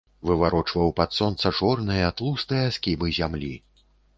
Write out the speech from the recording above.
Выварочваў пад сонца чорныя, тлустыя скібы зямлі.